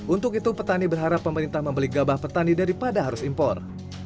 untuk itu petani berharap pemerintah membeli gabah petani daripada harus impor